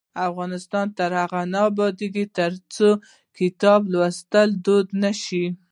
افغانستان تر هغو نه ابادیږي، ترڅو کتاب لوستل دود نشي.